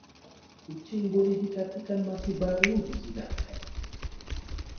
Kucing boleh dikatakan masih baru dijinakkan.